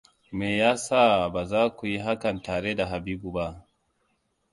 Meya sa ba za ku yi hakan tare da Habibu ba?